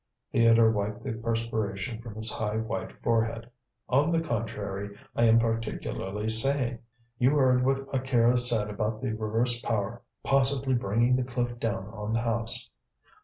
Theodore wiped the perspiration from his high, white forehead. "On the contrary, I am particularly sane. You heard what Akira said about the reverse power possibly bringing the cliff down on the house."